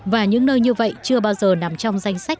và những nơi như vậy chưa bao giờ nằm trong danh sách